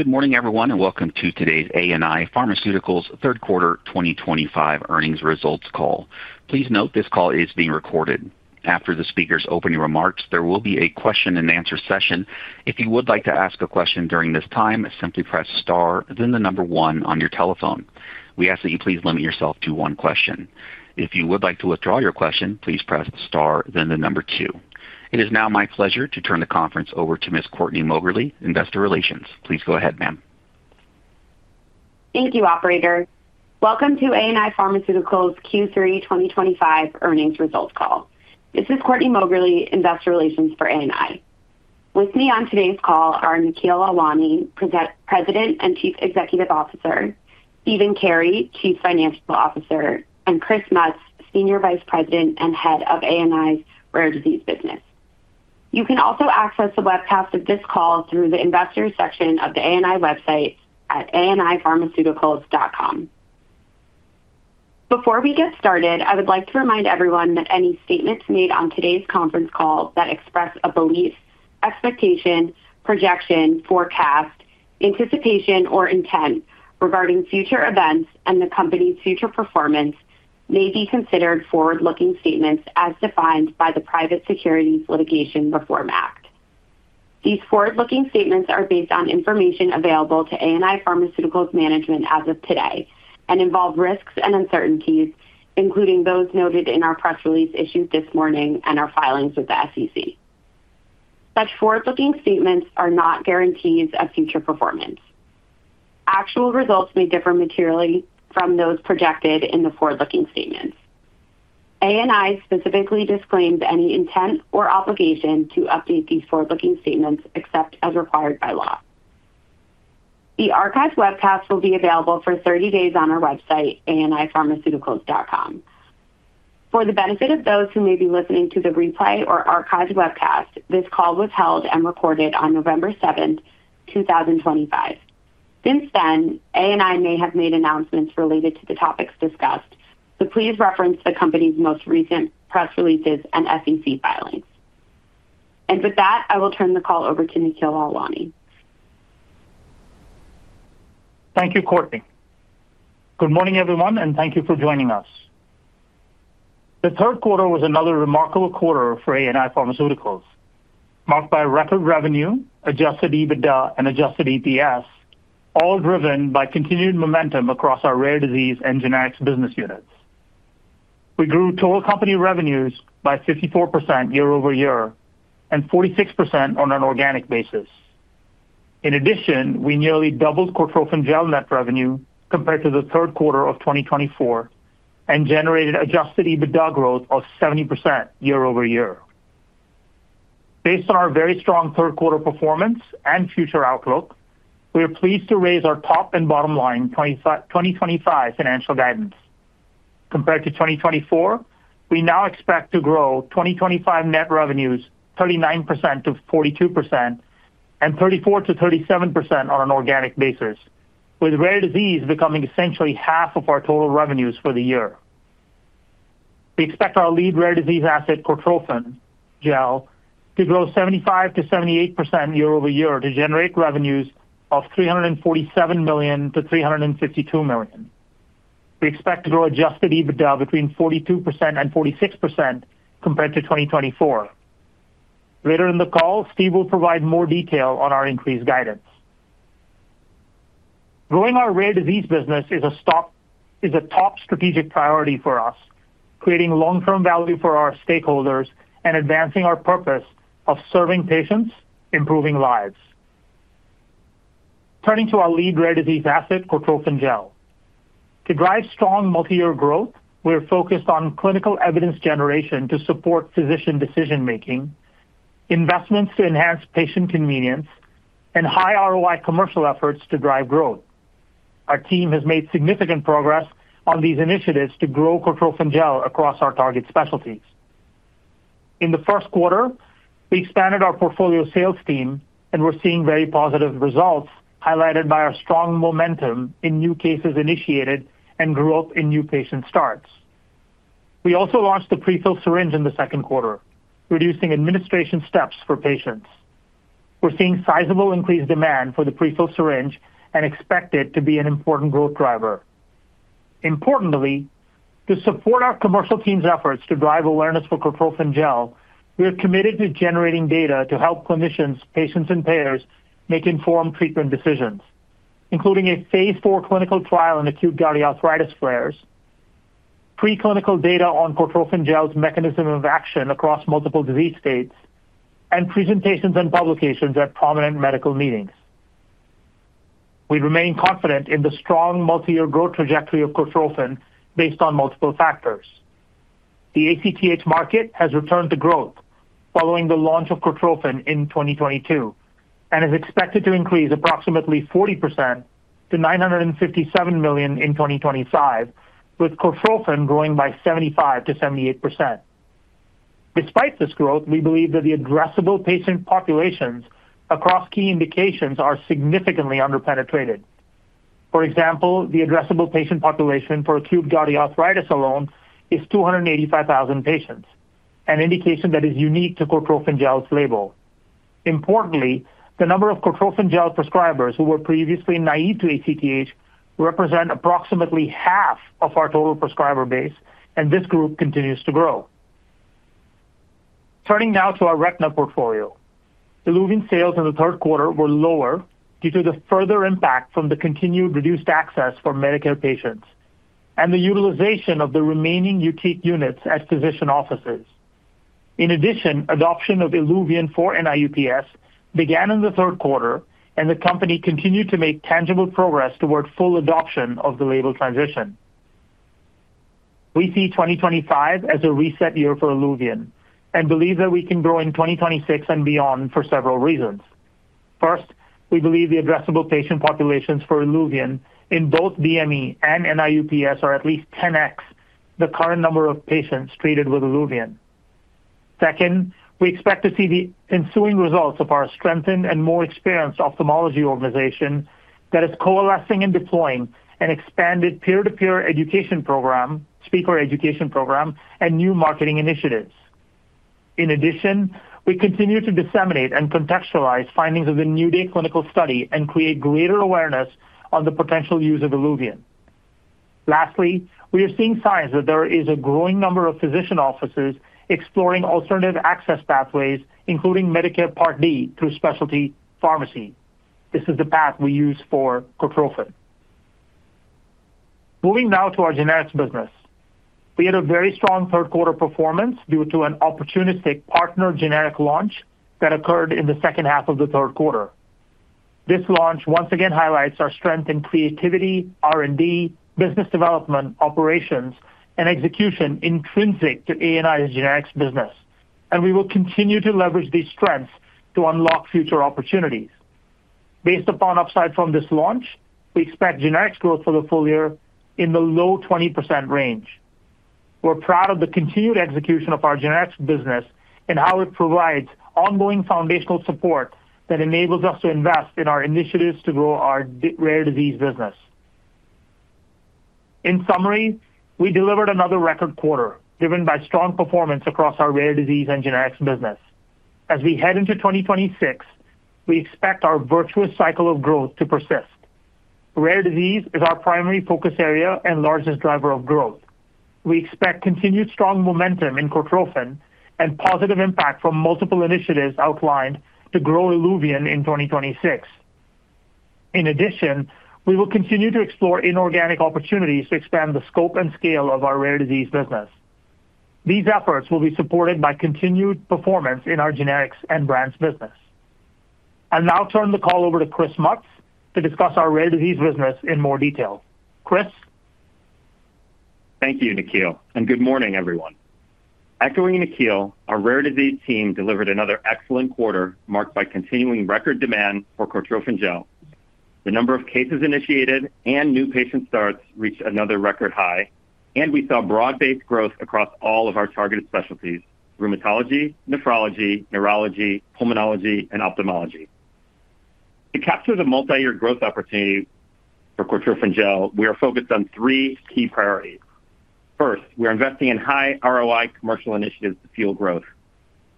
Good morning, everyone, and welcome to today's ANI Pharmaceuticals' third quarter 2025 earnings results call. Please note this call is being recorded. After the speaker's opening remarks, there will be a question-and-answer session. If you would like to ask a question during this time, simply press star, then the number one on your telephone. We ask that you please limit yourself to one question. If you would like to withdraw your question, please press star, then the number two. It is now my pleasure to turn the conference over to Ms. Courtney Mogerly, Investor Relations. Please go ahead, ma'am. Thank you, Operator. Welcome to ANI Pharmaceuticals' Q3 2025 earnings results call. This is Courtney Mogerly, Investor Relations for ANI. With me on today's call are Nikhil Lalwani, President and Chief Executive Officer, Stephen Carey, Chief Financial Officer, and Chris Mutz, Senior Vice President and Head of ANI's Rare Disease Business. You can also access the webcast of this call through the Investors section of the ANI website at anipharmaceuticals.com. Before we get started, I would like to remind everyone that any statements made on today's conference call that express a belief, expectation, projection, forecast, anticipation, or intent regarding future events and the company's future performance may be considered forward-looking statements as defined by the Private Securities Litigation Reform Act. These forward-looking statements are based on information available to ANI Pharmaceuticals Management as of today and involve risks and uncertainties, including those noted in our Press Release issued this morning and our Filings with the SEC. Such Forward-Looking Statements are not guarantees of Future Performance. Actual results may differ materially from those projected in the Forward-Looking Statements. ANI specifically disclaims any intent or obligation to update these forward-looking statements except as required by Law. The archived webcast will be available for 30 days on our website, anipharmaceuticals.com. For the benefit of those who may be listening to the replay or archived webcast, this call was held and recorded on November 7, 2025. Since then, ANI may have made announcements related to the topics discussed, so please reference the company's most recent press releases and SEC filings. I will turn the call over to Nikhil Lalwani. Thank you, Courtney. Good morning, everyone, and thank you for joining us. The third quarter was another remarkable quarter for ANI Pharmaceuticals, marked by record revenue, Adjusted EBITDA, and Adjusted EPS, all driven by continued momentum across our Rare Disease and Generics Business units. We grew total company revenues by 54% year-over-year and 46% on an organic basis. In addition, we nearly doubled Cortrophin Gel net revenue compared to the third quarter of 2024 and generated Adjusted EBITDA growth of 70% year-over-year. Based on our very strong third quarter performance and future outlook, we are pleased to raise our top and bottom line 2025 financial guidance. Compared to 2024, we now expect to grow Net Revenues 39%-42% and 34%-37% on an organic basis, with Rare Disease becoming essentially half of our total revenues for the year. We expect our lead Rare Disease Asset, Cortrophin Gel, to grow 75%-78% year over year to generate revenues of $347 million-$352 million. We expect to grow Adjusted EBITDA between 42% and 46% compared to 2024. Later in the call, Steve will provide more detail on our increased guidance. Growing our Rare Disease Business is a top strategic priority for us, creating long-term value for our stakeholders and advancing our purpose of serving patients, improving lives. Turning to our lead Rare Disease Asset, Cortrophin Gel. To drive strong multi-year growth, we are focused on Clinical Evidence Generation to support physician decision-making, investments to enhance patient convenience, and high ROI Commercial Efforts to drive growth. Our team has made significant progress on these initiatives to grow Cortrophin Gel across our target specialties. In the first quarter, we expanded our Portfolio Sales Team, and we're seeing very positive results highlighted by our strong momentum in new cases initiated and growth in new patient starts. We also launched the Prefilled Syringe in the second quarter, reducing administration steps for patients. We're seeing sizable increased demand for the Prefilled Syringe and expect it to be an important growth driver. Importantly, to support our commercial team's efforts to drive awareness for Cortrophin Gel, we are committed to generating data to help Clinicians, Patients, and Payers make informed treatment decisions, including a phase IV Clinical Trial in acute gouty arthritis flares, preclinical data on Cortrophin Gel's mechanism of action across multiple disease states, and presentations and publications at prominent medical meetings. We remain confident in the strong multi-year growth trajectory of Cortrophin based on multiple factors. The ACTH Market has returned to growth following the launch of Cortrophin in 2022 and is expected to increase approximately 40% to $957 million in 2025, with Cortrophin growing by 75%-78%. Despite this growth, we believe that the Addressable Patient Populations across key indications are significantly underpenetrated. For example, the Addressable Patient Population for acute gouty arthritis alone is 285,000 Patients, an indication that is unique to Cortrophin Gel's Label. Importantly, the number of Cortrophin Gel Prescribers who were previously naive to ACTH represents approximately half of our Total Prescriber base, and this group continues to grow. Turning now to our retina portfolio, ILUVIEN's sales in the third quarter were lower due to the further impact from the continued reduced access for Medicare patients and the utilization of the remaining YUTIQ units at physician offices. In addition, adoption of ILUVIEN for NIU-PS began in the third quarter, and the company continued to make tangible progress toward full adoption of the label transition. We see 2025 as a reset year for ILUVIEN and believe that we can grow in 2026 and beyond for several reasons. First, we believe the addressable patient populations for ILUVIEN in both DME and NIU-PS are at least 10x the current number of patients treated with ILUVIEN. Second, we expect to see the ensuing results of our strengthened and more experienced Ophthalmology Organization that is coalescing and deploying an expanded peer-to-peer Education Program, Speaker Education Program, and New Marketing Initiatives. In addition, we continue to disseminate and contextualize findings of the NEW DAY Clinical Study and create greater awareness on the potential use of ILUVIEN. Lastly, we are seeing signs that there is a growing number of Physician Offices exploring alternative access pathways, including Medicare Part D through Specialty Pharmacy. This is the path we use for Cortrophin. Moving now to our Generics Business, we had a very strong third quarter performance due to an opportunistic Partnered Generic launch that occurred in the second half of the third quarter. This launch once again highlights our strength in creativity, R&D, Business Development, Operations, and Execution Intrinsic to ANI's Generics Business, and we will continue to leverage these strengths to unlock future opportunities. Based upon upside from this launch, we expect Generics growth for the full year in the low 20% range. We're proud of the continued execution of our Generics Business and how it provides ongoing foundational support that enables us to invest in our initiatives to grow our Rare Disease Business. In summary, we delivered another record quarter driven by strong performance across our Rare Disease and Generics Business. As we head into 2026, we expect our virtuous cycle of growth to persist. Rare Disease is our primary focus area and largest driver of growth. We expect continued strong momentum in Cortrophin and positive impact from multiple initiatives outlined to grow ILUVIEN in 2026. In addition, we will continue to explore inorganic opportunities to expand the scope and scale of our Rare Disease Business. These efforts will be supported by continued performance in our Generics and brands business. I'll now turn the call over to Chris Mutz to discuss our Rare Disease Business in more detail. Chris. Thank you, Nikhil, and good morning, everyone. Echoing Nikhil, our Rare Disease team delivered another excellent quarter marked by continuing record demand for Cortrophin Gel. The number of cases initiated and new patient starts reached another record high, and we saw broad-based growth across all of our targeted specialties: Rheumatology, Nephrology, Neurology, Pulmonology, and Ophthalmology. To capture the multi-year growth opportunity for Cortrophin Gel, we are focused on three key priorities. First, we are investing in high ROI Commercial Initiatives to fuel growth.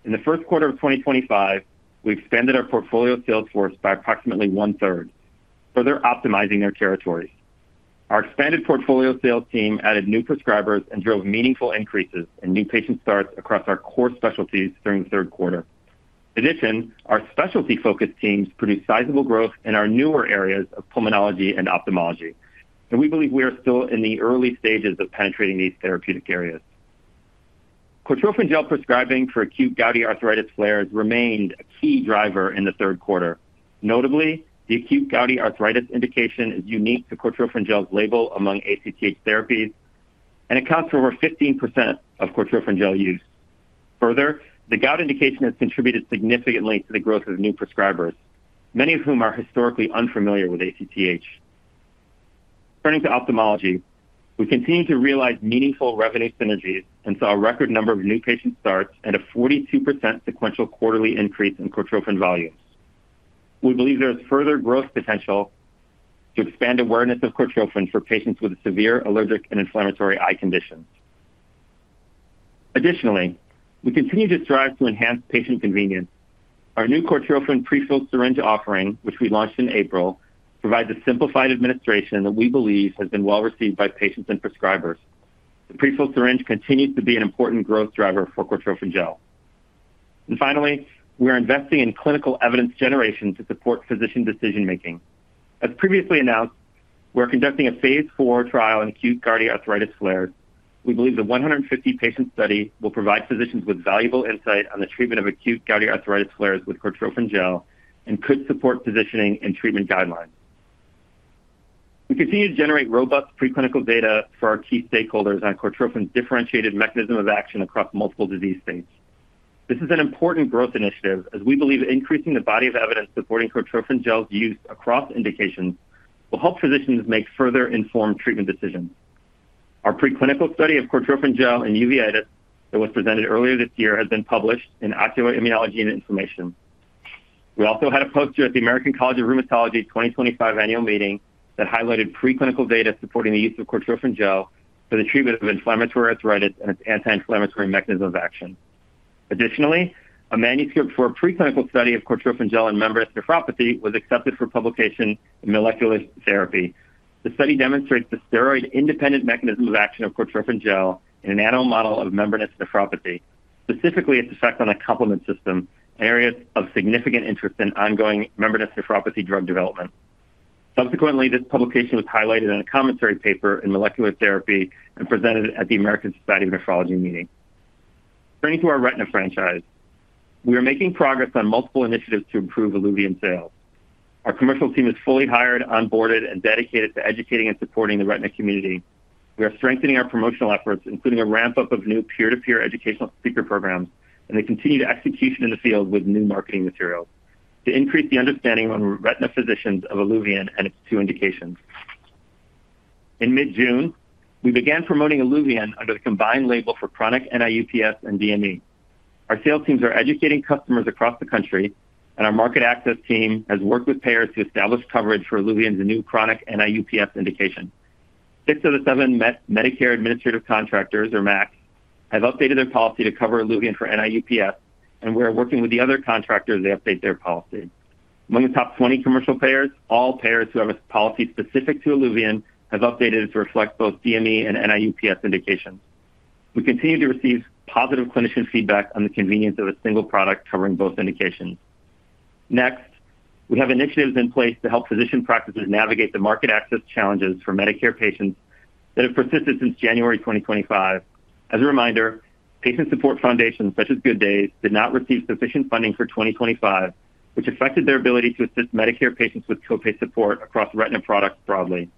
In the first quarter of 2025, we expanded our portfolio sales force by approximately one-third, further optimizing their territories. Our expanded Portfolio Sales Team added new prescribers and drove meaningful increases in new patient starts across our Core Specialties during the third quarter. In addition, our specialty-focused teams produced sizable growth in our newer areas of Pulmonology and Ophthalmology, and we believe we are still in the early stages of penetrating these therapeutic areas. Cortrophin Gel prescribing for acute gouty arthritis flares remained a key driver in the third quarter. Notably, the acute gouty arthritis indication is unique to Cortrophin Gel's label among ACTH therapies and accounts for over 15% of Cortrophin Gel use. Further, the gout indication has contributed significantly to the growth of new prescribers, many of whom are historically unfamiliar with ACTH. Turning to Ophthalmology, we continue to realize meaningful revenue synergies and saw a record number of New Patient starts and a 42% sequential quarterly increase in Cortrophin Volumes. We believe there is further growth potential to expand awareness of Cortrophin for patients with severe Allergic and Inflammatory Eye Conditions. Additionally, we continue to strive to enhance patient convenience. Our new Cortrophin Prefilled Syringe offering, which we launched in April, provides a simplified administration that we believe has been well received by Patients and Prescribers. The Prefilled Syringe continues to be an important growth driver for Cortrophin Gel. Finally, we are investing in Clinical Evidence Generation to support physician decision-making. As previously announced, we're conducting a phase IV trial in acute gouty arthritis flares. We believe the 150-patient study will provide physicians with valuable insight on the treatment of acute gouty arthritis flares with Cortrophin Gel and could support positioning and treatment guidelines. We continue to generate robust preclinical data for our key stakeholders on Cortrophin's differentiated mechanism of action across multiple disease states. This is an important growth initiative as we believe increasing the body of evidence supporting Cortrophin Gel's use across indications will help physicians make further informed treatment decisions. Our preclinical study of Cortrophin Gel in Uveitis that was presented earlier this year has been published in Ophthalmology and Inflammation. We also had a poster at the American College of Rheumatology 2025 annual meeting that highlighted preclinical data supporting the use of Cortrophin Gel for the treatment of Inflammatory Arthritis and its anti-inflammatory mechanism of action. Additionally, a manuscript for a preclinical study of Cortrophin Gel in Membranous Nephropathy was accepted for publication in Molecular Therapy. The study demonstrates the steroid-independent mechanism of action of Cortrophin Gel in an Animal Model of Membranous Nephropathy, specifically its effect on the complement system, areas of significant interest in ongoing Membranous Nephropathy drug development. Subsequently, this publication was highlighted in a commentary paper in Molecular Therapy and presented at the American Society of Nephrology meeting. Turning to our Retina franchise, we are making progress on multiple initiatives to improve ILUVIEN Sales. Our commercial team is fully hired, onboarded, and dedicated to educating and supporting the Retina Community. We are strengthening our promotional efforts, including a ramp-up of new peer-to-peer Educational Speaker Programs and the continued execution in the field with new marketing materials to increase the understanding among retina physicians of ILUVIEN and its two indications. In mid-June, we began promoting ILUVIEN under the combined label for chronic NIU-PS and DME. Our Sales Teams are educating customers across the country, and our Market Access Team has worked with payers to establish coverage for ILUVIEN's new chronic NIU-PS indication. Six of the seven Medicare administrative contractors, or MACs, have updated their policy to cover ILUVIEN for NIU-PS, and we are working with the other contractors to update their policy. Among the top 20 Commercial Payers, all payers who have a policy specific to ILUVIEN have updated it to reflect both DME and NIU-PS Indications. We continue to receive positive clinician feedback on the convenience of a single product covering both Indications. Next, we have initiatives in place to help physician practices navigate the market access challenges for Medicare Patients that have persisted since January 2025. As a reminder, Patient Support Foundations such as Good Days did not receive sufficient funding for 2025, which affected their ability to assist Medicare patients with copay support across Retina Products broadly.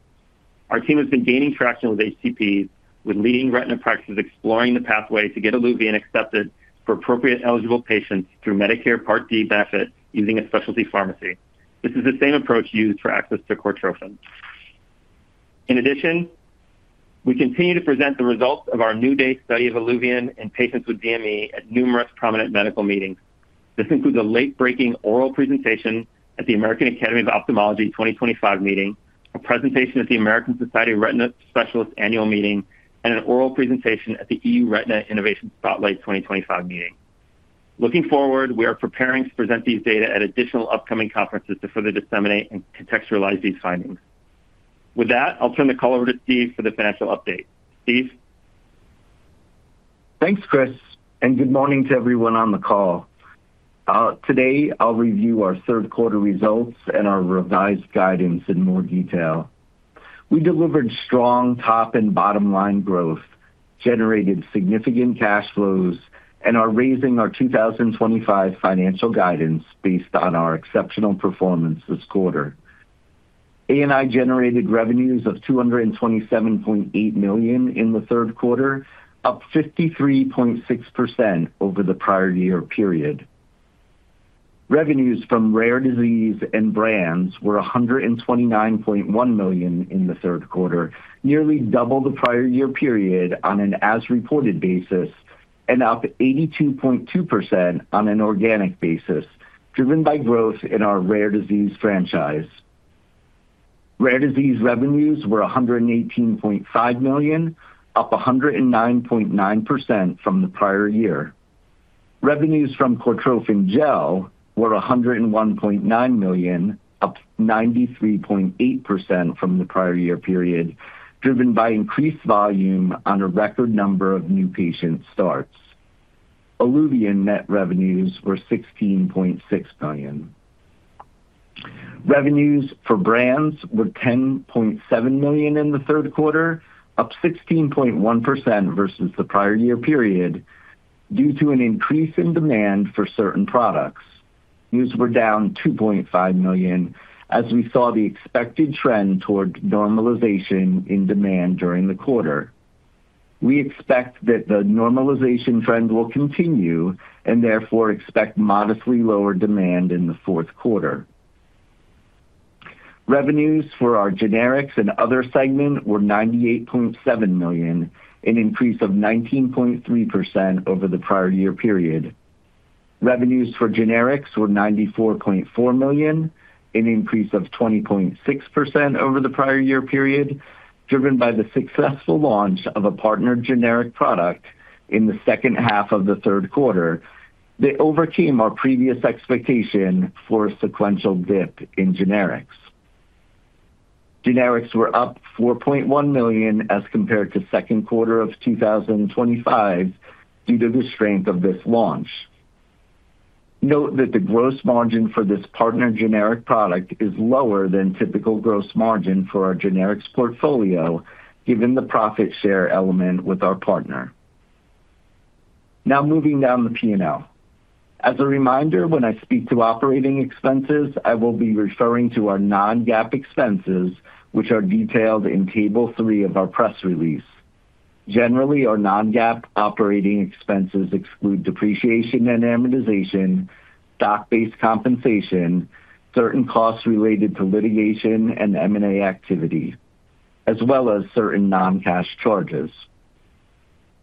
Our team has been gaining traction with HCPs, with leading retina practices exploring the pathway to get ILUVIEN accepted for appropriate eligible patients through Medicare Part D Benefits using a Specialty Pharmacy. This is the same approach used for access to Cortrophin. In addition, we continue to present the results of our NEW DAY Study of ILUVIEN in patients with DME at numerous prominent Medical Meetings. This includes a late-breaking oral presentation at the American Academy of Ophthalmology 2025 meeting, a presentation at the American Society of Retina Specialists Annual Meeting, and an oral presentation at the EURetina Innovation Spotlight 2025 Meeting. Looking forward, we are preparing to present these data at additional upcoming conferences to further disseminate and contextualize these findings. With that, I'll turn the call over to Steve for the financial update. Steve? Thanks, Chris, and good morning to everyone on the call. Today, I'll review our third-quarter results and our revised guidance in more detail. We delivered strong top and bottom-line growth, generated significant cash flows, and are raising our 2025 Financial Guidance based on our exceptional performance this quarter. ANI generated revenues of $227.8 million in the third quarter, up 53.6% over the prior year period. Revenues from Rare Disease and brands were $129.1 million in the third quarter, nearly double the prior year period on an as-reported basis and up 82.2% on an organic basis, driven by growth in our Rare Disease Franchise. Rare Disease revenues were $118.5 million, up 109.9% from the prior year. Revenues from Cortrophin Gel were $101.9 million, up 93.8% from the prior year period, driven by increased volume on a record number of new patient starts. Net Revenues were $16.6 million. Revenues for brands were $10.7 million in the third quarter, up 16.1% versus the prior year period due to an increase in demand for certain products. News were down $2.5 million as we saw the expected trend toward normalization in demand during the quarter. We expect that the normalization trend will continue and therefore expect modestly lower demand in the fourth quarter. Revenues for our Generics and other segment were $98.7 million, an increase of 19.3% over the prior year period. Revenues for Generics were $94.4 million, an increase of 20.6% over the prior year period, driven by the successful launch of a Partnered Generic product in the second half of the third quarter. They overcame our previous expectation for a sequential dip in Generics. Generics were up $4.1 million as compared to the second quarter of 2025 due to the strength of this launch. Note that the Gross Margin for this Partnered Generic Product is lower than typical Gross Margin for our Generics Portfolio, given the profit share element with our partner. Now moving down the P&L. As a reminder, when I speak to Operating Expenses, I will be referring to our non-GAAP Expenses, which are detailed in table three of our press release. Generally, our non-GAAP Operating Expenses exclude Depreciation and Amortization, Stock-based Compensation, certain costs related to Litigation and M&A Activity, as well as certain non-Cash Charges.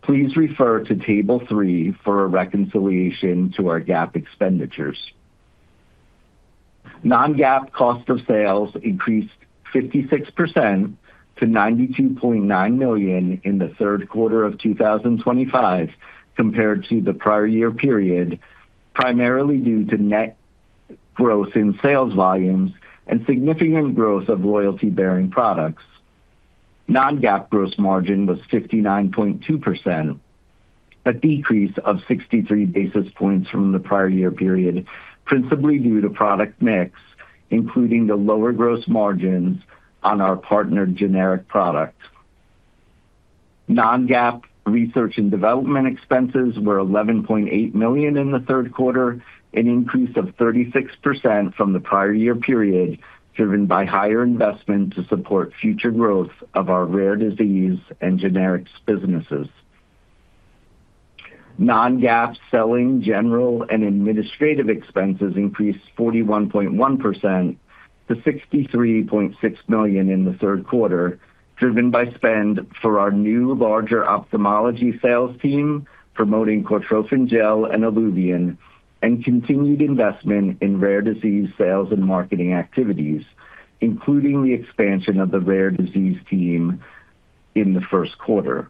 Please refer to table three for a reconciliation to our GAAP Expenditures. Non-GAAP Cost of Sales increased 56% to $92.9 million in the third quarter of 2025 compared to the prior year period, primarily due to net growth in Sales Volumes and significant growth of Loyalty-bearing Products. Non-GAAP Gross Margin was 59.2%, a decrease of 63 basis points from the prior year period, principally due to product mix, including the lower Gross Margins on our partner Generic Product. Non-GAAP research and development expenses were $11.8 million in the third quarter, an increase of 36% from the prior year period, driven by higher investment to support future growth of our Rare Disease and Generics Businesses. Non-GAAP selling, general and administrative Expenses increased 41.1% to $63.6 million in the third quarter, driven by spend for our new larger Ophthalmology Sales Team promoting Cortrophin Gel and ILUVIEN, and continued investment in Rare Disease Sales and Marketing Activities, including the expansion of the Rare Disease team in the first quarter.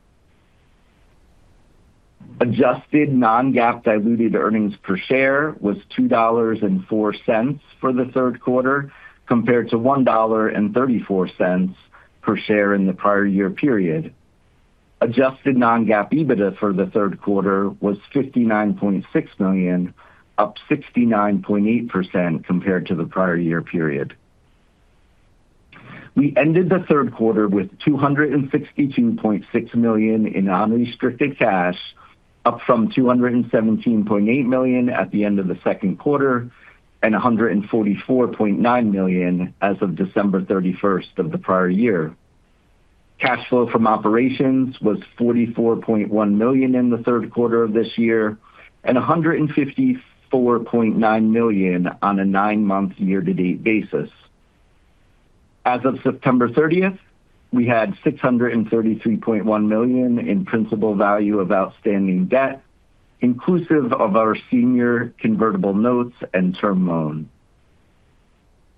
Adjusted non-GAAP Diluted earnings per share was $2.04 for the third quarter compared to $1.34 per share in the prior year period. Adjusted non-GAAP EBITDA for the third quarter was $59.6 million, up 69.8% compared to the prior year period. We ended the third quarter with $262.6 million in unrestricted cash, up from $217.8 million at the end of the second quarter and $144.9 million as of December 31 of the prior year. Cash flow from operations was $44.1 million in the third quarter of this year and $154.9 million on a nine-month year-to-date basis. As of September 30, we had $633.1 million in principal value of outstanding debt, inclusive of our senior convertible notes and term loan.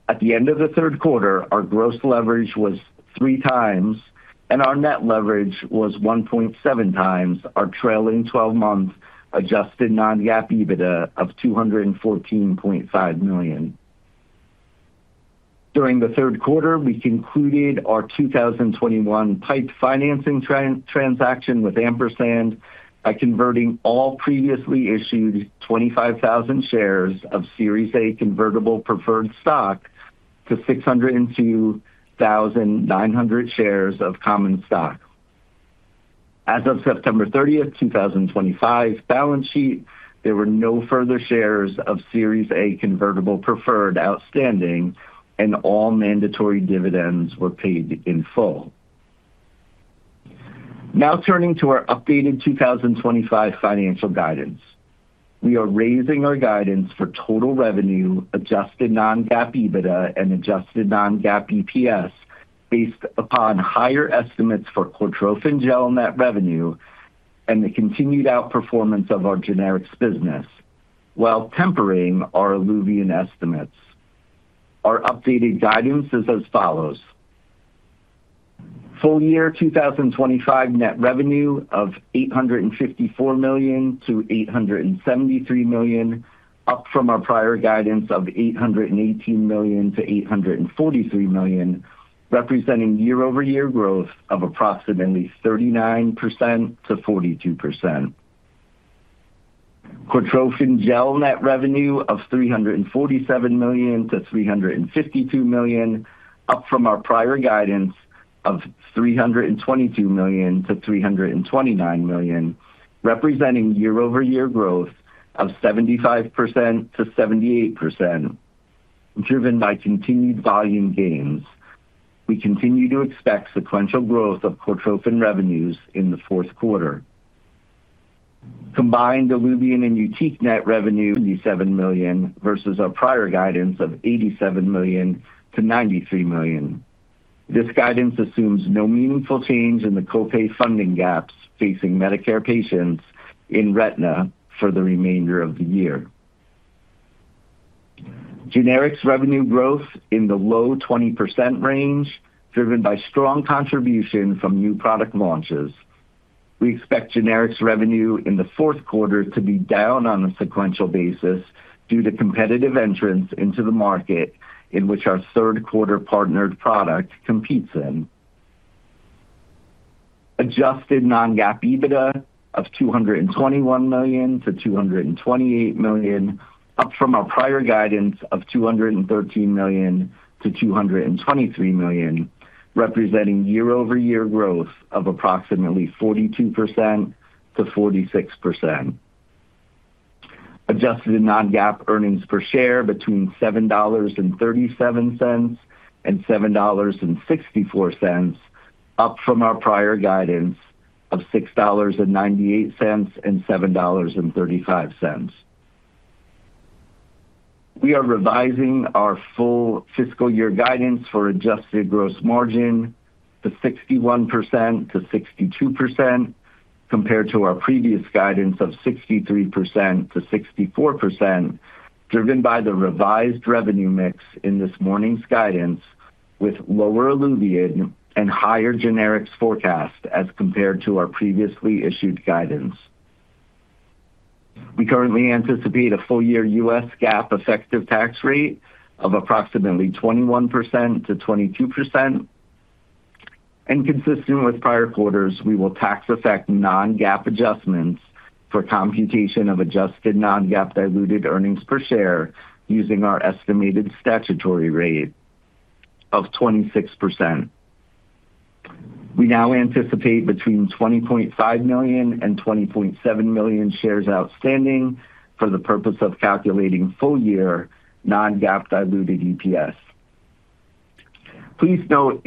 At the end of the third quarter, our gross leverage was three times, and our net leverage was 1.7 times our trailing 12-month Adjusted non-GAAP EBITDA of $214.5 million. During the third quarter, we concluded our 2021 PIPE financing transaction with Ampersand by converting all previously issued 25,000 shares of Series A Convertible Preferred Stock to 602,900 shares of Common Stock. As of September 30, 2025, balance sheet, there were no further shares of Series A Convertible preferred outstanding, and all mandatory dividends were paid in full. Now turning to our updated 2025 Financial Guidance. We are raising our guidance for total revenue, Adjusted non-GAAP EBITDA, and Adjusted non-GAAP EPS based upon higher estimates for Cortrophin Gel net revenue and the continued outperformance of our Generics business, while tempering our ILUVIEN estimates. Our updated guidance is as follows. Full year 2025 net revenue of $854 million-$873 million, up from our prior guidance of $818 million-$843 million, representing year-over-year growth of approximately 39%-42%. Cortrophin Gel net revenue of $347 million-$352 million, up from our prior guidance of $322 million-$329 million, representing year-over-year growth of 75%-78%, driven by continued volume gains. We continue to expect sequential growth of Cortrophin revenues in the fourth quarter. Combined ILUVIEN and YUTIQ net revenue, $77 million versus our prior guidance of $87 million-$93 million. This guidance assumes no meaningful change in the copay funding gaps facing Medicare patients in retina for the remainder of the year. Generics revenue growth in the low 20% range, driven by strong contribution from new product launches. We expect Generics revenue in the fourth quarter to be down on a sequential basis due to competitive entrance into the market in which our third-quarter partnered product competes in. Adjusted non-GAAP EBITDA of $221 million-$228 million, up from our prior guidance of $213 million-$223 million, representing year-over-year growth of approximately 42%-46%. Adjusted non-GAAP earnings per share between $7.37 and $7.64, up from our prior guidance of $6.98 and $7.35. We are revising our full fiscal year guidance for Adjusted Gross Margin to 61%-62% compared to our previous guidance of 63%-64%, driven by the revised revenue mix in this morning's guidance with lower ILUVIEN and higher Generics forecast as compared to our previously issued guidance. We currently anticipate a full year U.S. GAAP effective tax rate of approximately 21%-22%. Consistent with prior quarters, we will tax-effect non-GAAP adjustments for computation of Adjusted non-GAAP Diluted earnings per share using our estimated statutory rate of 26%. We now anticipate between 20.5 million and 20.7 million shares outstanding for the purpose of calculating full year non-GAAP Diluted EPS. Please note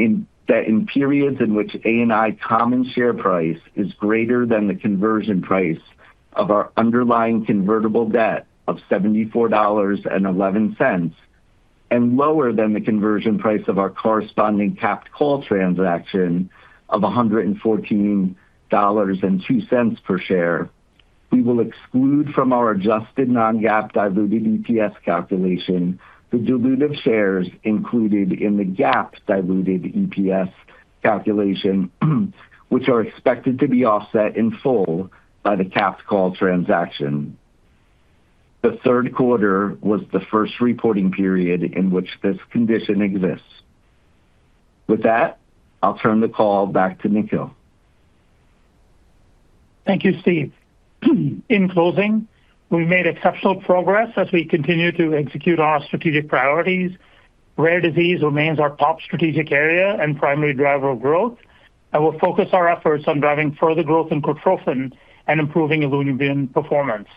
that in periods in which ANI common share price is greater than the conversion price of our underlying convertible debt of $74.11 and lower than the conversion price of our corresponding capped call transaction of $114.02 per share, we will exclude from our Adjusted non-GAAP Diluted EPS calculation the dilutive shares included in the GAAP Diluted EPS calculation, which are expected to be offset in full by the capped call transaction. The third quarter was the first reporting period in which this condition exists. With that, I'll turn the call back to Nikhil. Thank you, Steve. In closing, we've made exceptional progress as we continue to execute our strategic priorities. Rare Disease remains our top strategic area and primary driver of growth, and we'll focus our efforts on driving further growth in Cortrophin and improving ILUVIEN performance.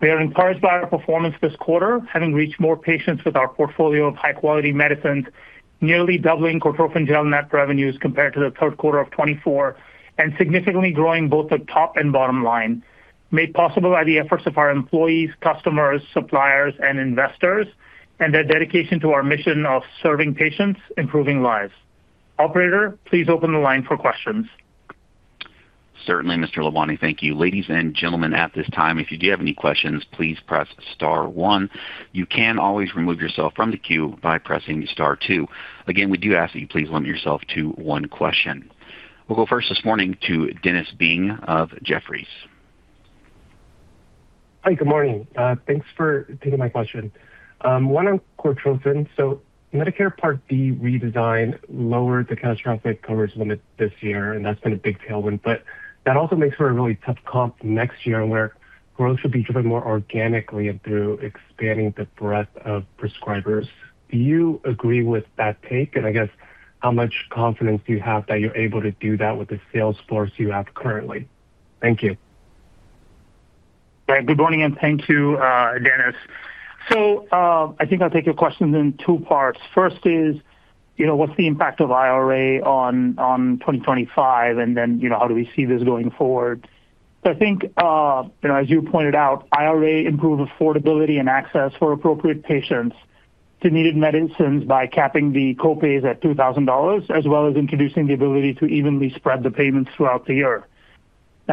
We are encouraged by our performance this quarter, having reached more patients with our portfolio of high-quality medicines, nearly doubling Cortrophin Gel Net Revenues compared to the third quarter of 2024, and significantly growing both the top and bottom line. Made possible by the efforts of our Employees, Customers, Suppliers, and Investors, and their dedication to our mission of serving patients, improving lives. Operator, please open the line for questions. Certainly, Mr. Lalwani, thank you. Ladies and gentlemen, at this time, if you do have any questions, please press star one. You can always remove yourself from the queue by pressing star two. Again, we do ask that you please limit yourself to one question. We'll go first this morning to Dennis Nie of Jefferies. Hi, good morning. Thanks for taking my question. One on Cortrophin. Medicare Part D redesign lowered the catastrophic coverage limit this year, and that's been a big tailwind. That also makes for a really tough comp next year where growth should be driven more organically and through expanding the breadth of prescribers. Do you agree with that take? I guess, how much confidence do you have that you're able to do that with the sales force you have currently? Thank you. Good morning and thank you, Dennis. I think I'll take your question in two parts. First is, what's the impact of IRA on 2025? Then how do we see this going forward? I think, as you pointed out, IRA improved affordability and access for appropriate patients to needed medicines by capping the copays at $2,000, as well as introducing the ability to evenly spread the payments throughout the year.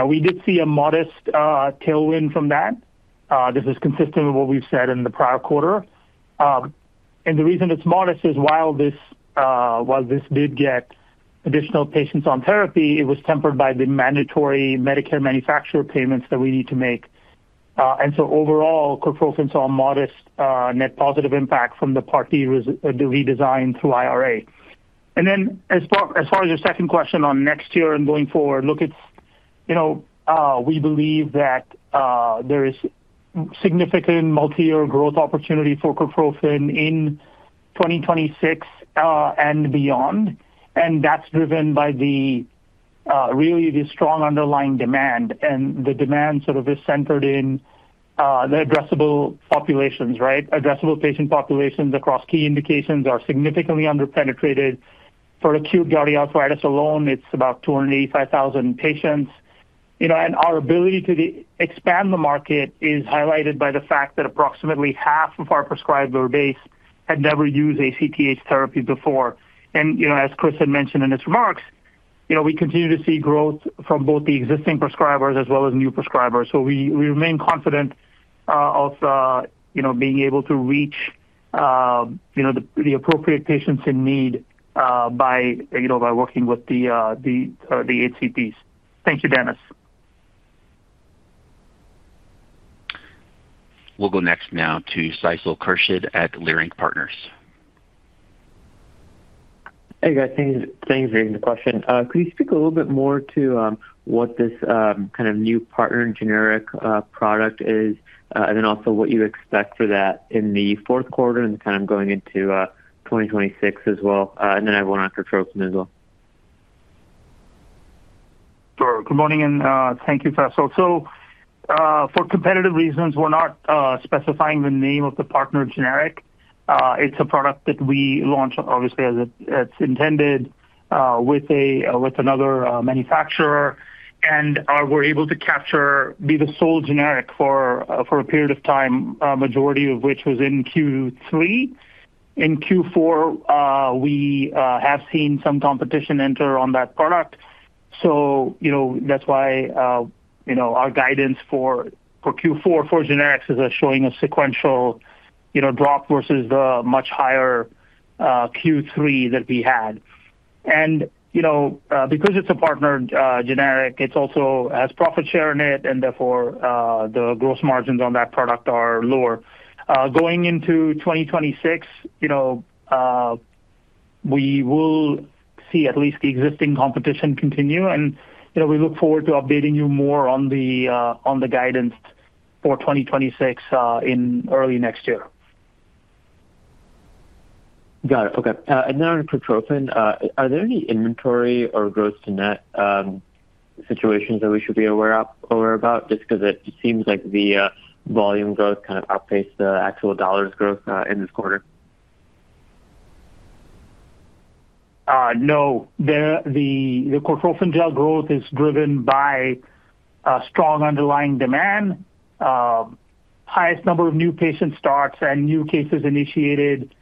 We did see a modest tailwind from that. This is consistent with what we've said in the prior quarter. The reason it's modest is while this did get additional patients on therapy, it was tempered by the mandatory Medicare Manufacturer Payments that we need to make. Overall, Cortrophin saw a modest net positive impact from the Part D redesign through IRA. As far as your second question on next year and going forward, look, we believe that there is significant multi-year growth opportunity for Cortrophin in 2026 and beyond. That is driven by really the strong underlying demand. The demand sort of is centered in the Addressable Populations, right? Addressable Patient Populations across key indications are significantly underpenetrated. For acute gouty arthritis alone, it is about 285,000 Patients. Our ability to expand the market is highlighted by the fact that approximately half of our prescribable base had never used ACTH therapy before. As Chris had mentioned in his remarks, we continue to see growth from both the existing prescribers as well as new prescribers. We remain confident of being able to reach the appropriate patients in need by working with the HCPs. Thank you, Dennis. We'll go next now to Faisal Khurshid at Leerink Partners. Hey, guys. Thanks for taking the question. Could you speak a little bit more to what this kind of New Partnered Generic product is, and then also what you expect for that in the fourth quarter and kind of going into 2026 as well? And then I will run after Cortrophin as well. Sure. Good morning and thank you, Faisal. For competitive reasons, we're not specifying the name of the Partnered Generic. It's a product that we launched, obviously, as it's intended with another manufacturer. We're able to capture, be the sole generic for a period of time, a majority of which was in Q3. In Q4, we have seen some competition enter on that product. That is why our guidance for Q4 for Generics is showing a sequential drop versus the much higher Q3 that we had. Because it's a Partnered Generic, it also has profit share in it, and therefore the Gross Margins on that product are lower. Going into 2026, we will see at least the existing competition continue. We look forward to updating you more on the guidance for 2026 in early next year. Got it. Okay. And then on Cortrophin, are there any inventory or gross-to-net situations that we should be aware about? Just because it seems like the volume growth kind of outpaced the actual dollars growth in this quarter. No. The Cortrophin Gel growth is driven by strong underlying demand, highest number of new patient starts and new cases initiated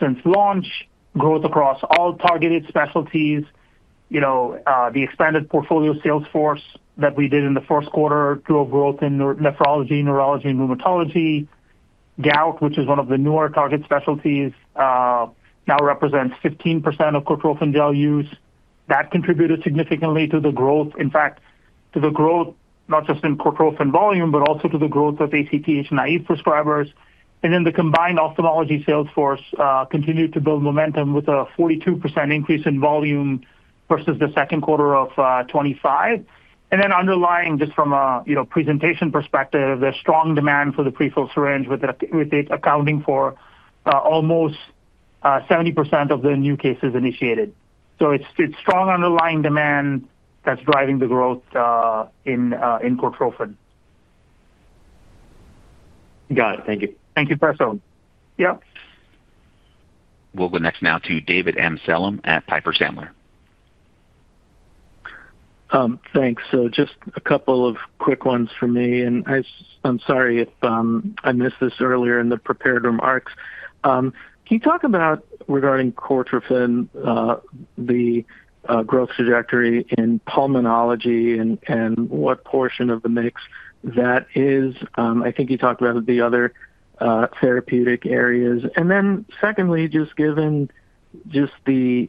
since launch, growth across all targeted specialties, the expanded Portfolio Sales Force that we did in the first quarter drove growth in Nephrology, Neurology, and Rheumatology. Gout, which is one of the newer target specialties, now represents 15% of Cortrophin Gel use. That contributed significantly to the growth, in fact, to the growth not just in Cortrophin volume, but also to the growth of ACTH naive prescribers. The combined Ophthalmology Sales Force continued to build momentum with a 42% increase in volume versus the second quarter of 2025. Underlying, just from a presentation perspective, there is strong demand for the Prefilled Syringe, with it accounting for almost 70% of the new cases initiated. It is strong underlying demand that is driving the growth in Cortrophin. Got it. Thank you. Thank you, Faisal. Yeah. We'll go next now to David Amsellem at Piper Sandler. Thanks. Just a couple of quick ones from me. I'm sorry if I missed this earlier in the prepared remarks. Can you talk about, regarding Cortrophin, the growth trajectory in pulmonology and what portion of the mix that is? I think you talked about the other therapeutic areas. Secondly, just given the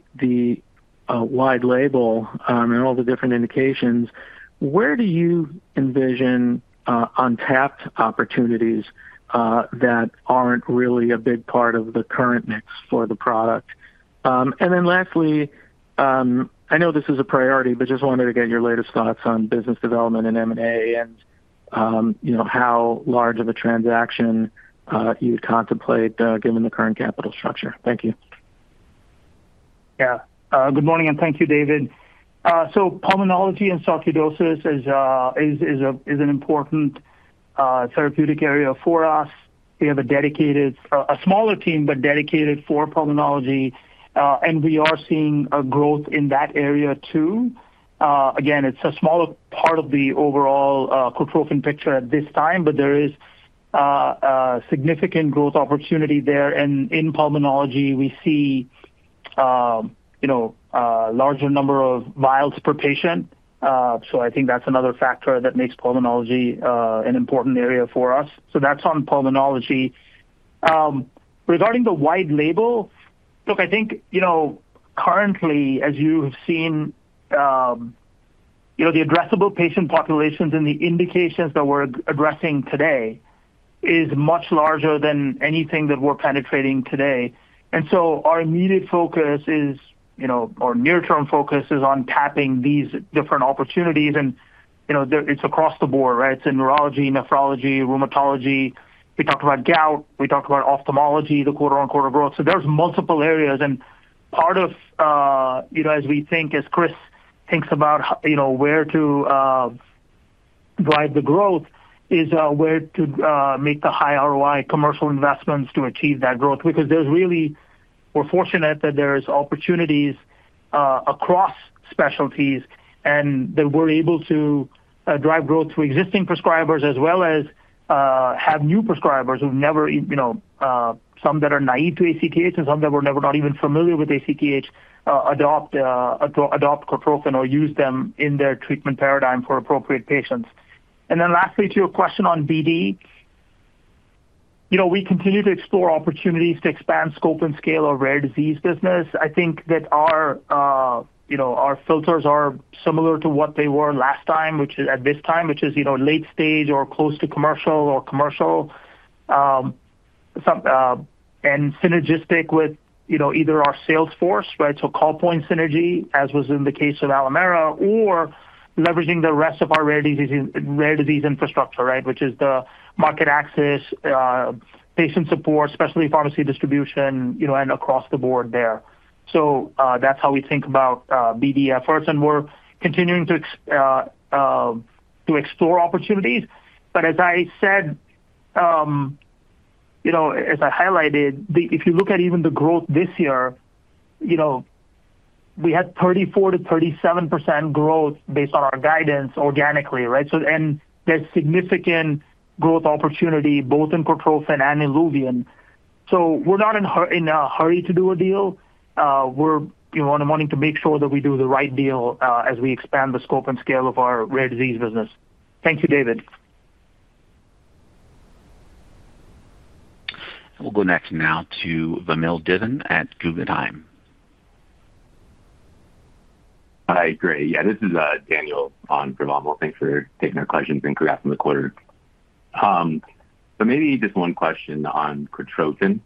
wide label and all the different indications, where do you envision untapped opportunities that aren't really a big part of the current mix for the product? Lastly, I know this is a priority, but just wanted to get your latest thoughts on business development and M&A and how large of a transaction you'd contemplate given the current capital structure. Thank you. Yeah. Good morning and thank you, David. Pulmonology and Sarcoidosis is an important therapeutic area for us. We have a dedicated, a smaller team, but dedicated for Pulmonology. We are seeing a growth in that area too. Again, it is a smaller part of the overall Cortrophin picture at this time, but there is significant growth opportunity there. In pulmonology, we see a larger number of vials per patient. I think that is another factor that makes Pulmonology an important area for us. That is on Pulmonology. Regarding the wide label, look, I think currently, as you have seen, the addressable patient populations and the indications that we are addressing today is much larger than anything that we are penetrating today. Our immediate focus is, or near-term focus is on tapping these different opportunities. It is across the board, right? Neurology, Nephrology, Rheumatology. We talked about gout. We talked about Ophthalmology, the quarter-on-quarter growth. There are multiple areas. Part of, as we think, as Chris thinks about where to drive the growth is where to make the high ROI Commercial Investments to achieve that growth. Because there is really, we are fortunate that there are opportunities across specialties and that we are able to drive growth through existing prescribers as well as have new prescribers who never, some that are naive to ACTH and some that were not even familiar with ACTH, adopt Cortrophin or use them in their treatment paradigm for appropriate patients. Lastly, to your question on BD, we continue to explore opportunities to expand scope and scale of Rare Disease Business. I think that our filters are similar to what they were last time, which is at this time, which is late stage or close to commercial or commercial and synergistic with either our sales force, right? So call point synergy, as was in the case of Alimera, or leveraging the rest of our Rare Disease infrastructure, right? Which is the Market Access, Patient Support, Specialty Pharmacy distribution, and across the board there. That's how we think about BD efforts. We're continuing to explore opportunities. As I said, as I highlighted, if you look at even the growth this year, we had 34%-37% growth based on our guidance organically, right? There's significant growth opportunity both in Cortrophin and ILUVIEN. We're not in a hurry to do a deal. We're wanting to make sure that we do the right deal as we expand the scope and scale of our Rare Disease Business. Thank you, David. We'll go next now to Vamil Divan at Guggenheim. Hi, great. Yeah, this is Daniel on for Vamil. Thanks for taking our questions and clearing out the quarter. Maybe just one question on Cortrophin.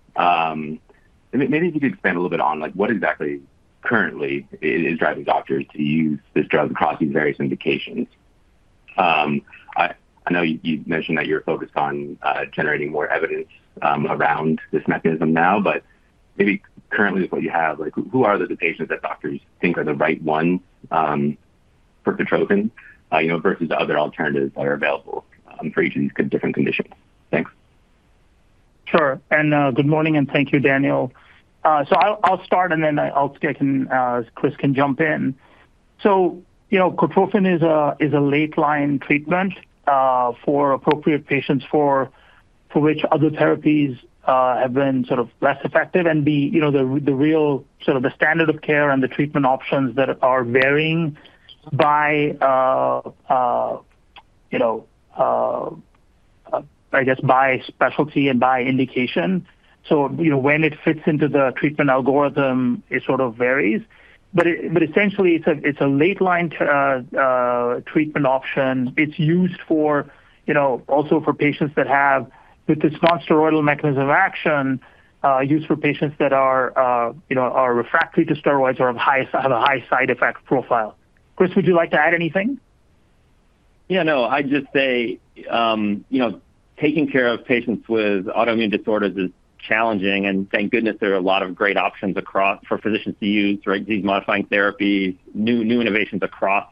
Maybe if you could expand a little bit on what exactly currently is driving doctors to use this drug across these various indications. I know you mentioned that you're focused on generating more evidence around this mechanism now, but maybe currently, with what you have, who are the patients that doctors think are the right ones for Cortrophin versus other alternatives that are available for each of these different conditions? Thanks. Sure. Good morning and thank you, Daniel. I'll start and then I'll skip and Chris can jump in. Cortrophin is a late-line Treatment for appropriate patients for which other therapies have been sort of less effective and the real sort of the standard of care and the treatment options that are varying by, I guess, by specialty and by indication. When it fits into the treatment algorithm, it sort of varies. Essentially, it's a late-line treatment option. It's used also for patients that have this nonsteroidal mechanism of action, used for patients that are Refractory to Steroids or have a high side effect profile. Chris, would you like to add anything? Yeah, no. I'd just say taking care of patients with Autoimmune Disorders is challenging. Thank goodness there are a lot of great options for physicians to use, right? These Modifying Therapies, New Innovations across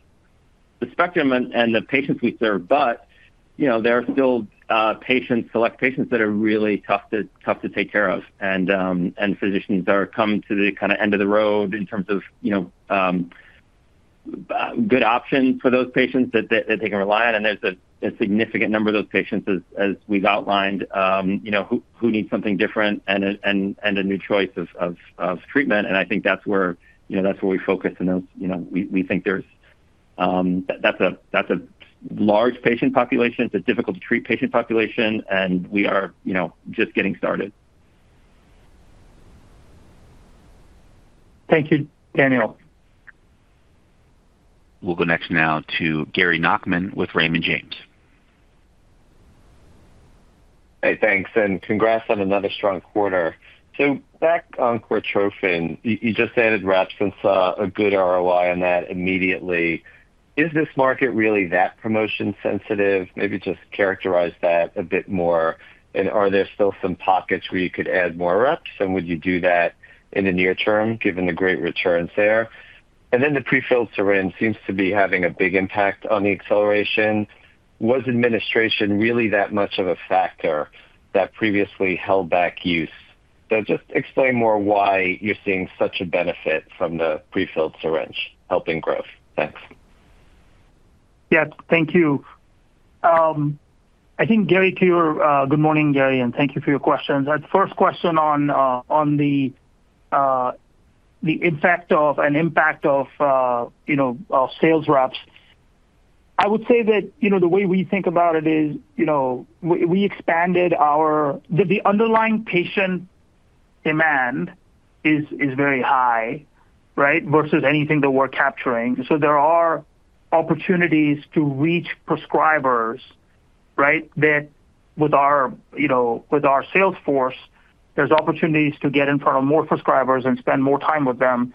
the spectrum and the patients we serve. There are still select patients that are really tough to take care of. Physicians are coming to the kind of end of the road in terms of good options for those patients that they can rely on. There is a significant number of those patients, as we've outlined, who need something different and a new choice of treatment. I think that's where we focus. We think that's a large patient population. It's a difficult-to-treat patient population. We are just getting started. Thank you, Daniel. We'll go next now to Gary Nachman with Raymond James. Hey, thanks. And congrats on another strong quarter. Back on Cortrophin, you just added reps and a good ROI on that immediately. Is this market really that promotion-sensitive? Maybe just characterize that a bit more. Are there still some pockets where you could add more reps? Would you do that in the near term given the great returns there? The Prefilled Syringe seems to be having a big impact on the acceleration. Was administration really that much of a factor that previously held back use? Just explain more why you're seeing such a benefit from the Prefilled Syringe helping growth. Thanks. Yes, thank you. I think, Gary, to your good morning, Gary, and thank you for your questions. First question on the effect of an impact of sales reps. I would say that the way we think about it is we expanded our the underlying patient demand is very high, right, versus anything that we're capturing. There are opportunities to reach prescribers, right, that with our sales force, there's opportunities to get in front of more prescribers and spend more time with them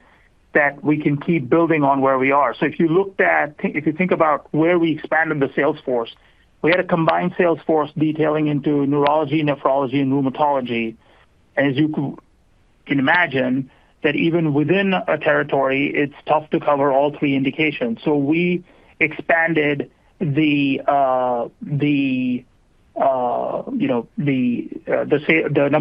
that we can keep building on where we are. If you looked at, if you think about where we expanded the sales force, we had a combined sales force detailing into neurology, nephrology, and rheumatology. As you can imagine, that even within a territory, it's tough to cover all three indications. We expanded the number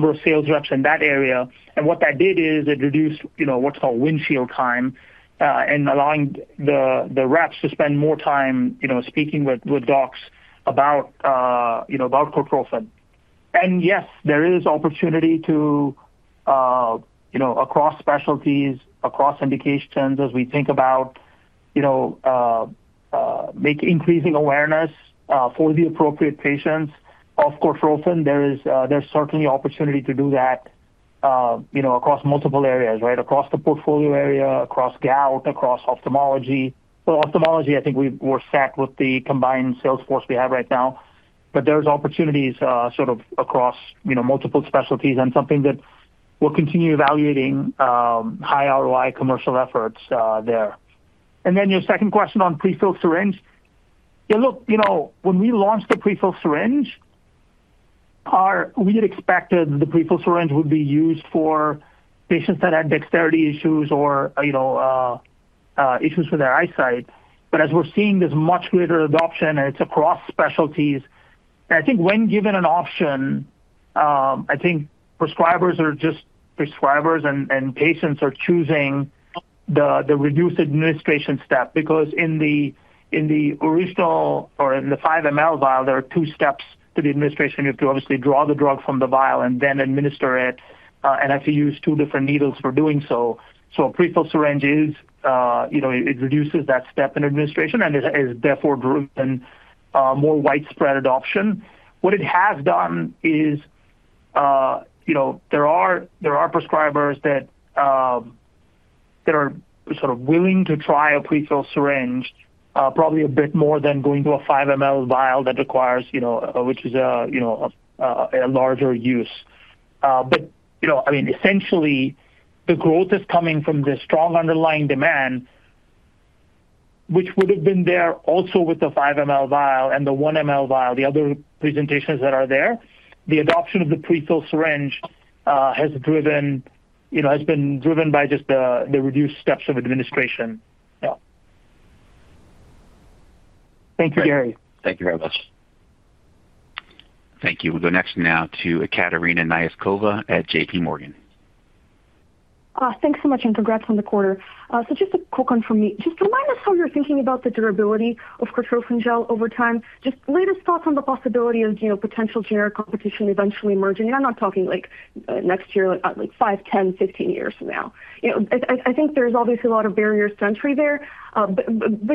of sales reps in that area. What that did is it reduced what's called windshield time, allowing the reps to spend more time speaking with docs about Cortrophin. Yes, there is opportunity across specialties, across indications as we think about increasing awareness for the appropriate patients of Cortrophin. There's certainly opportunity to do that across multiple areas, right? Across the portfolio area, across gout, across ophthalmology. Ophthalmology, I think we're set with the combined sales force we have right now. There's opportunities across multiple specialties and something that we're continuing evaluating, high ROI Commercial Efforts there. Your second question on Prefilled Syringe, yeah, look, when we launched the Prefilled Syringe, we had expected the Prefilled Syringe would be used for patients that had Dexterity Issues or issues with their Eyesight. As we're seeing this much greater adoption, and it's across specialties, I think when given an option, I think prescribers are just prescribers and patients are choosing the reduced administration step. Because in the original or in the 5 ml Vial, there are two steps to the administration. You have to obviously draw the drug from the Vial and then administer it. And I have to use two different needles for doing so. So a Prefilled Syringe is, it reduces that step in administration and is therefore driven more widespread adoption. What it has done is there are prescribers that are sort of willing to try a Prefilled Syringe, probably a bit more than going to a 5 ml Vial that requires, which is a larger use. I mean, essentially, the growth is coming from the strong underlying demand, which would have been there also with the 5 ml Vial and the 1 ml Vial, the other presentations that are there. The adoption of the Prefilled Syringe has been driven by just the reduced steps of administration. Yeah. Thank you, Gary. Thank you very much. Thank you. We'll go next now to Ekaterina Knyazkova at JPMorgan. Thanks so much and congrats on the quarter. Just a quick one from me. Just remind us how you're thinking about the durability of Cortrophin Gel over time. Just latest thoughts on the possibility of potential Generic competition eventually emerging. I'm not talking like next year, like 5, 10, 15 years from now. I think there's obviously a lot of barriers to entry there.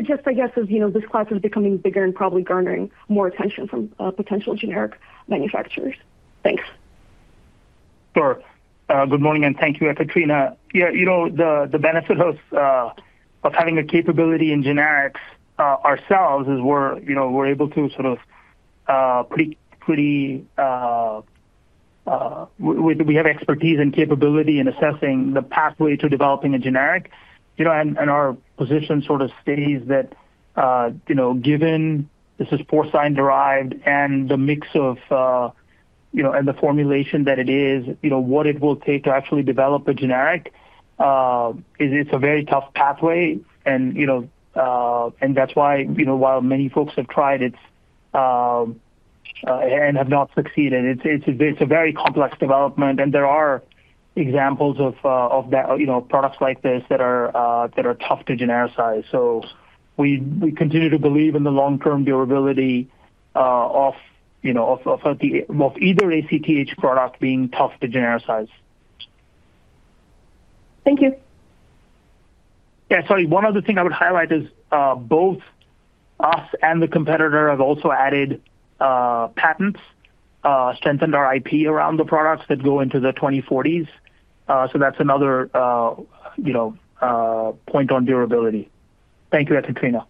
Just I guess as this class is becoming bigger and probably garnering more attention from potential generic manufacturers. Thanks. Sure. Good morning and thank you, Ekaterina. Yeah, the benefit of having a capability in Generics ourselves is we're able to sort of, pretty much, we have expertise and capability in assessing the pathway to developing a Generic. Our position sort of stays that given this is porcine-derived and the mix of and the formulation that it is, what it will take to actually develop a generic, it's a very tough pathway. That is why while many folks have tried it and have not succeeded, it's a very complex development. There are examples of products like this that are tough to Genericize. We continue to believe in the long-term durability of either ACTH Product being tough to Genericize. Thank you. Yeah, sorry. One other thing I would highlight is both us and the competitor have also added patents, strengthened our IP around the products that go into the 2040s. That is another point on durability. Thank you, Ekaterina.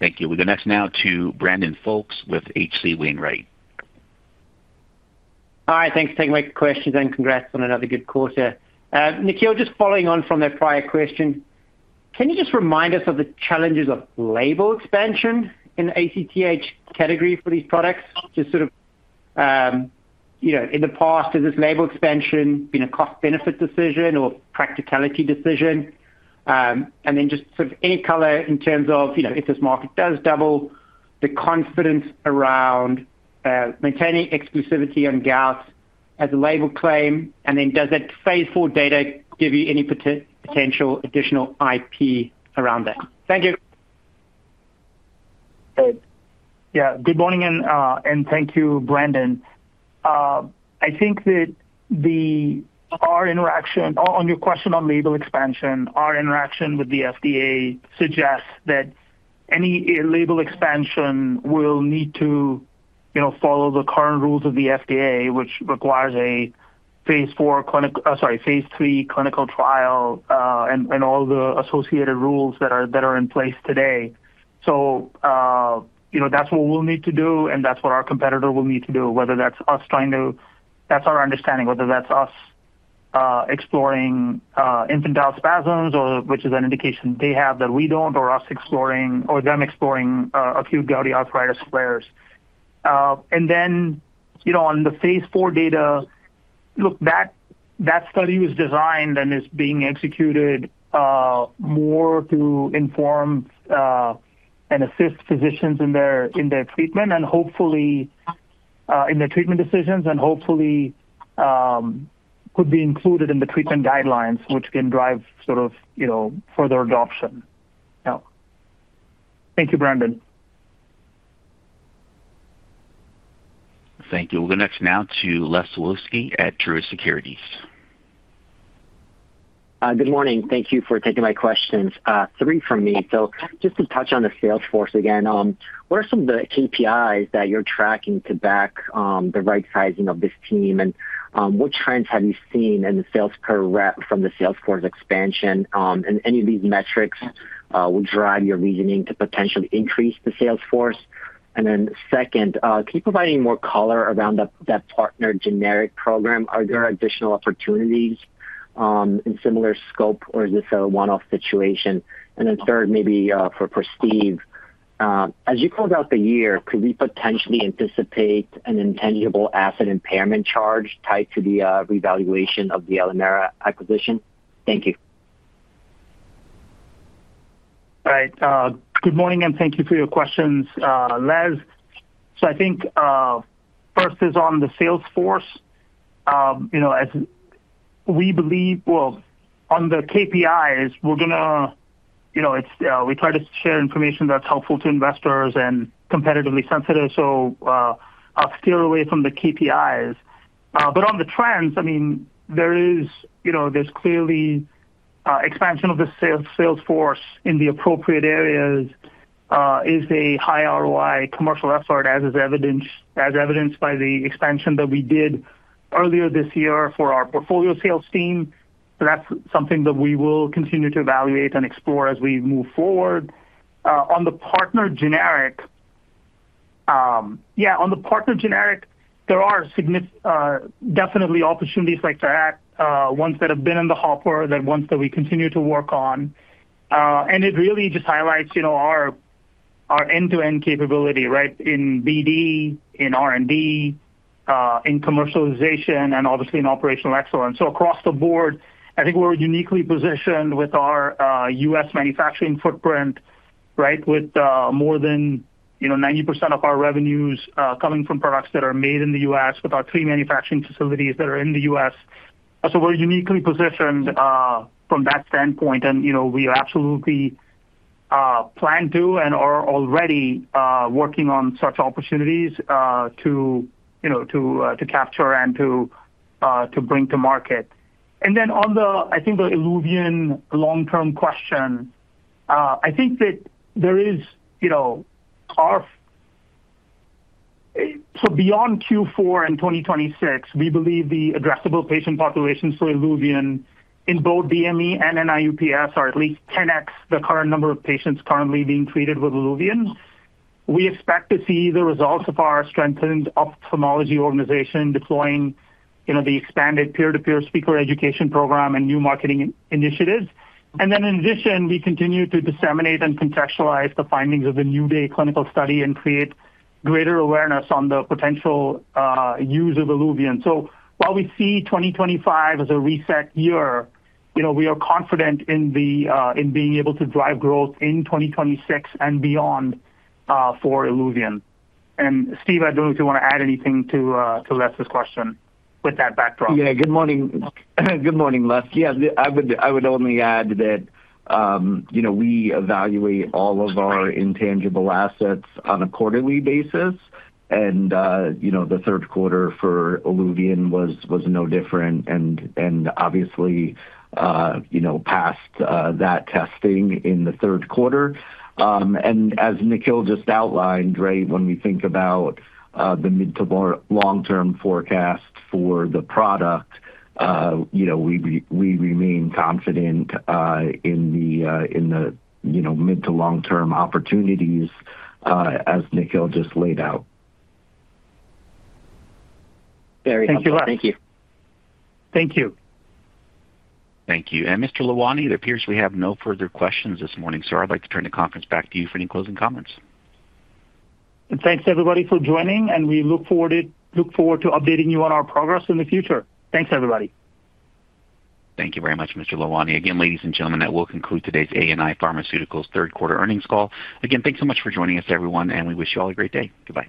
Thank you. We'll go next now to Brandon Folkes with H.C. Wainwright. Hi, thanks for taking my questions and congrats on another good quarter. Nikhil, just following on from that prior question, can you just remind us of the challenges of label expansion in the ACTH category for these products? Just sort of in the past, has this label expansion been a cost-benefit decision or practicality decision? Just sort of any color in terms of if this market does double, the confidence around maintaining exclusivity on gout as a label claim. Does that phase IV data give you any potential additional IP around that? Thank you. Yeah, good morning and thank you, Brandon. I think that our interaction on your question on label expansion, our interaction with the FDA suggests that any label expansion will need to follow the current rules of the FDA, which requires a phase IV, sorry, phase III clinical trial and all the associated rules that are in place today. That's what we'll need to do and that's what our competitor will need to do, whether that's us trying to, that's our understanding, whether that's us exploring infantile spasms, which is an indication they have that we don't, or us exploring or them exploring acute gouty arthritis flares. The phase IV data, look, that study was designed and is being executed more to inform and assist physicians in their treatment and hopefully in their Treatment Decisions and hopefully could be included in the Treatment Guidelines, which can drive sort of further adoption. Yeah. Thank you, Brandon. Thank you. We'll go next now to Les Sulewski at Truist Securities. Good morning. Thank you for taking my questions. Three from me. Just to touch on the sales force again, what are some of the KPIs that you're tracking to back the right sizing of this team? What trends have you seen in the sales per rep from the sales force expansion? Any of these metrics will drive your reasoning to potentially increase the sales force? Second, can you provide any more color around that Partnered Generic Program? Are there additional opportunities in similar scope, or is this a one-off situation? Third, maybe for Steve, as you close out the year, could we potentially anticipate an intangible asset impairment charge tied to the revaluation of the Alimera acquisition? Thank you. Right. Good morning and thank you for your questions, Les. I think first is on the sales force. We believe, on the KPIs, we try to share information that's helpful to investors and competitively sensitive. I'll steer away from the KPIs. On the trends, I mean, there's clearly expansion of the sales force in the appropriate areas is a high ROI commercial effort, as evidenced by the expansion that we did earlier this year for our portfolio sales team. That's something that we will continue to evaluate and explore as we move forward. On the Partnered Generic, yeah, on the Partnered Generic, there are definitely opportunities like that, ones that have been in the hopper, ones that we continue to work on. It really just highlights our end-to-end capability, right, in BD, in R&D, in Commercialization, and obviously in Operational excellence. Across the board, I think we're uniquely positioned with our U.S. manufacturing footprint, right, with more than 90% of our revenues coming from products that are made in the U.S., with our three manufacturing facilities that are in the US. We're uniquely positioned from that standpoint. We absolutely plan to and are already working on such opportunities to capture and to bring to market. On the, I think, the ILUVIEN long-term question, I think that there is our, so beyond Q4 and 2026, we believe the Addressable Patient Population for ILUVIEN in both DME and NIU-PS are at least 10x the current number of patients currently being treated with ILUVIEN. We expect to see the results of our strengthened Ophthalmology Organization deploying the expanded peer-to-peer speaker education program and new marketing initiatives. In addition, we continue to disseminate and contextualize the findings of the NEW DAY Clinical Study and create greater awareness on the potential use of ILUVIEN. While we see 2025 as a reset year, we are confident in being able to drive growth in 2026 and beyond for ILUVIEN. Steve, I do not know if you want to add anything to Les' question with that backdrop. Yeah, good morning. Good morning, Les. I would only add that we evaluate all of our intangible assets on a quarterly basis. The third quarter for ILUVIEN was no different. Obviously, passed that testing in the third quarter. As Nikhil just outlined, right, when we think about the mid to long-term forecast for the product, we remain confident in the mid to long-term opportunities as Nikhil just laid out. Very helpful. Thank you, Les. Thank you. Thank you. Thank you. Mr. Lalwani, it appears we have no further questions this morning. I would like to turn the conference back to you for any closing comments. Thanks, everybody, for joining. We look forward to updating you on our progress in the future. Thanks, everybody. Thank you very much, Mr. Lalwani. Again, ladies and gentlemen, that will conclude today's ANI Pharmaceuticals third quarter earnings call. Again, thanks so much for joining us, everyone. We wish you all a great day. Goodbye.